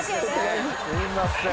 すいません。